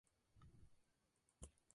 Habita en Europa, Siberia.